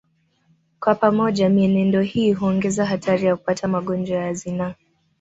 Kwa pamoja mienendo hii huongeza hatari ya kupata magonjwa ya zinaa